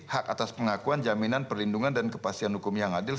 hak atas pengakuan jaminan perlindungan dan kepastian hukum yang adil